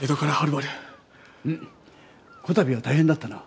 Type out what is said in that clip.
うんこたびは大変だったな。